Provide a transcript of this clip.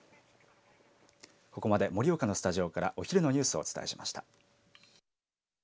ここまで盛岡のスタジオからお昼のニュースをお伝えしました。